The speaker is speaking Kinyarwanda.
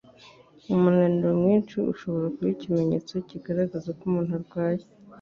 Umunaniro mwinshi ushobora kuba ikimenyetso kigaragaza ko umuntu arwaye